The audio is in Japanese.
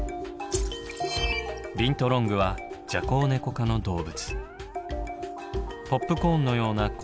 ビントロングはジャコウネコ科の動物。